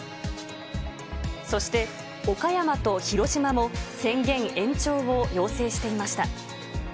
そして岡山と広島も、宣言延長を要請していました。